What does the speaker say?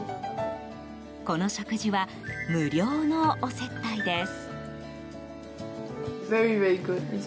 この食事は無料のお接待です。